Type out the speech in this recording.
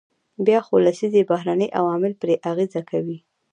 بیا څو لسیزې بهرني عوامل پرې اغیز کوي.